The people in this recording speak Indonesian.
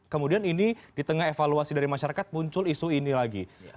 kemudian ini di tengah evaluasi dari masyarakat muncul isu ini lagi